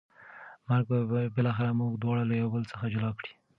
مرګ به بالاخره موږ دواړه له یو بل څخه جلا کړي.